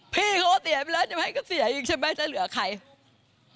พี่เขาก็เสียไปแล้วจะให้เขาเสียอีกใช่ไหมถ้าเหลือใคร